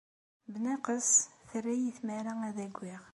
Bnaqes, terra-iyi tmara ad agiɣ.